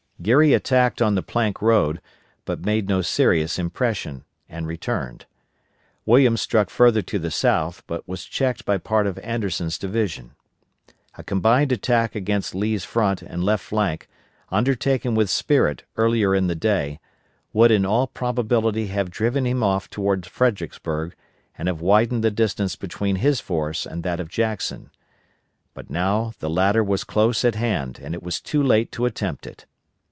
Geary attacked on the plank road, but made no serious impression, and returned. Williams struck further to the south, but was checked by part of Anderson's division. A combined attack against Lee's front and left flank, undertaken with spirit earlier in the day, would in all probability have driven him off toward Fredericksburg and have widened the distance between his force and that of Jackson; but now the latter was close at hand and it was too late to attempt it.